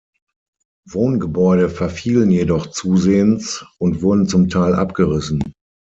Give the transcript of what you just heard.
Wohngebäude verfielen jedoch zusehends und wurden zum Teil abgerissen.